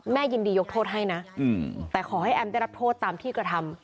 ยินดียกโทษให้นะแต่ขอให้แอมได้รับโทษตามที่กระทำ